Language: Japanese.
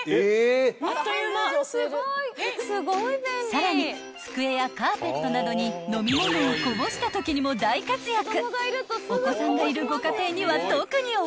［さらに机やカーペットなどに飲み物をこぼしたときにも大活躍］いきますよ。